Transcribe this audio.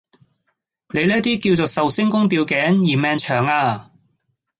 你呢啲叫做壽星公吊頸——嫌命長呀！